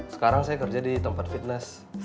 sekarang saya kerja di tempat fitness